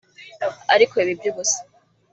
ariko biba iby’ubusa